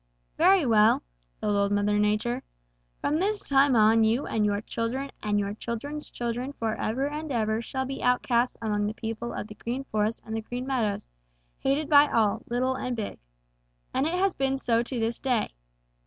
'Very well,' said Old Mother Nature, 'from this time on you and your children and your children's children forever and ever shall be outcasts among the people of the Green Forest and the Green Meadows, hated by all, little and big.' And it has been so to this day.